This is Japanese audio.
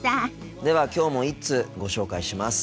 ではきょうも１通ご紹介します。